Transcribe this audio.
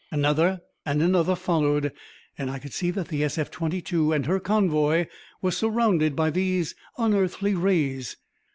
Another and another followed, and I could see that the SF 22 and her convoy were surrounded by these unearthly rays.